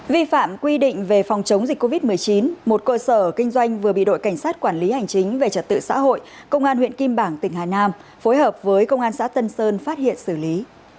vi phạm quy định về phòng chống dịch covid một mươi chín một cơ sở kinh doanh vừa bị đội cảnh sát quản lý hành chính về trật tự xã hội công an huyện kim bảng tỉnh hà nam phối hợp với công an xã tân sơn phát hiện xử lý